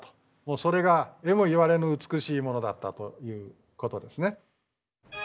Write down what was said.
それがえもいわれぬ美しいものだったということですね。